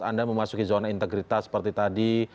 anda memasuki zona integritas seperti tadi